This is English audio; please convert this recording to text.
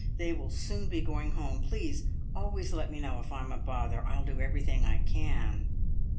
They will soon be going home. Please always let me know if I'm a bother. I'll do everything I can!"